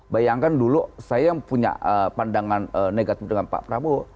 bayangkan dulu saya yang punya pandangan negatif dengan pak prabowo